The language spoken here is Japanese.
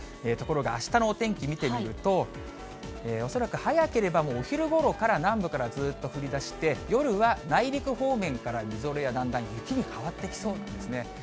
ところがあしたのお天気見てみると、恐らく早ければもうお昼ごろから、南部からずっと降りだして、夜は内陸方面からみぞれやだんだん雪に変わってきそうなんですね。